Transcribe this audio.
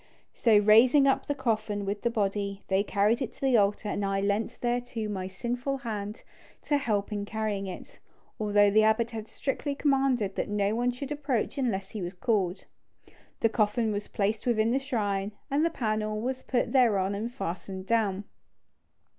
So, raising up the coffin with the body, they carried it to the altar, and I lent thereto my sinful hand to help in carrying it, although the abbot had strictly commanded that no one should approach unless he was called. The coffin was placed within the shrine, and the panel was put thereon and fastened down.